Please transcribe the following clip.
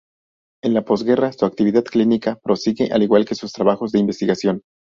En la posguerra su actividad clínica prosigue, al igual que sus trabajos de investigación.